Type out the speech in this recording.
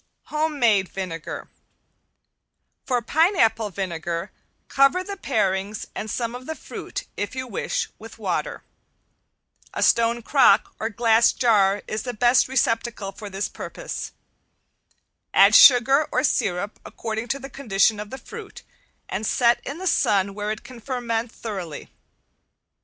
~HOMEMADE VINEGAR~ For pineapple vinegar, cover the parings and some of the fruit, if you wish, with water. A stone crock or glass jar is the best receptacle for this purpose. Add sugar or sirup, according to the condition of the fruit, and set in the sun where it can ferment thoroughly.